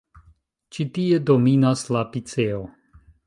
Ĉi tie dominas la piceo.